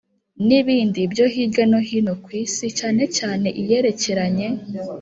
n ibindi byo hirya no hino ku Isi cyane cyane iyerekeranye